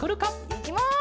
いきます！